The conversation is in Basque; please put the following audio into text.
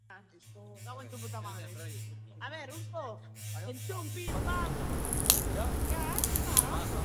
Haiek beti etorkizunik txarrena iragartzen baitzuten eta sekula ez hoberena.